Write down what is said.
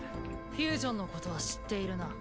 フュージョンのことは知っているな？